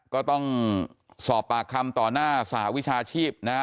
ก็ต้องสอบปากคำต่อหน้าสหวิชาชีพนะฮะ